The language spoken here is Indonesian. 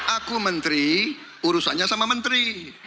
aku menteri urusannya sama menteri